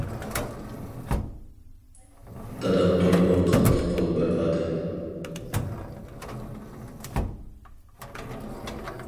دادام تولىمۇ قاتتىق قول بىر ئادەم.